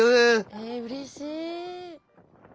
えうれしい。